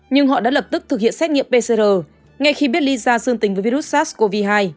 nhưng họ đã lập tức thực hiện xét nghiệm pcr ngay khi biết lyza dương tính với virus sars cov hai